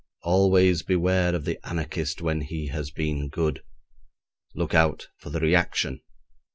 Always beware of the anarchist when he has been good: look out for the reaction.